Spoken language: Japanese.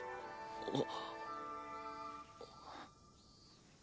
あっ。